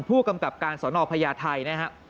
ผู้กำกับการสนพญาไทยนะครับ